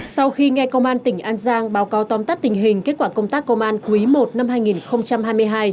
sau khi nghe công an tỉnh an giang báo cáo tóm tắt tình hình kết quả công tác công an quý i năm hai nghìn hai mươi hai